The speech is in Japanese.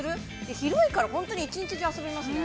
広いから本当に一日中遊べますね。